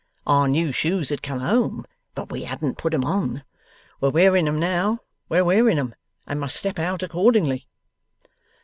Our new shoes had come home, but we hadn't put 'em on. We're wearing 'em now, we're wearing 'em, and must step out accordingly.